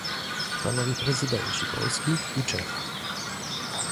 Panowie prezydenci Polski i Czech